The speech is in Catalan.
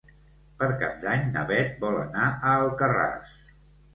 Per Cap d'Any na Beth vol anar a Alcarràs.